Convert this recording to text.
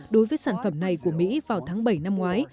đối với sản phẩm này của mỹ vào tháng bảy năm ngoái